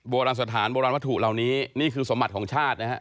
โบราณสถานโบราณวัตถุเหล่านี้นี่คือสมบัติของชาตินะฮะ